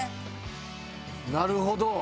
なるほど。